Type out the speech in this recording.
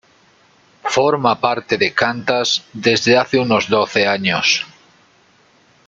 Forma parte de Qantas desde hace unos doce años.